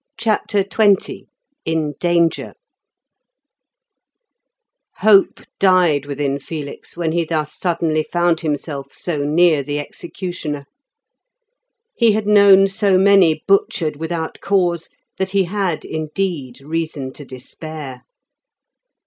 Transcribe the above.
CHAPTER XX IN DANGER Hope died within Felix when he thus suddenly found himself so near the executioner. He had known so many butchered without cause, that he had, indeed, reason to despair.